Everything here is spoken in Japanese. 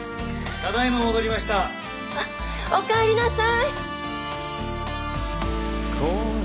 ただいま戻りました・あっおかえりなさい！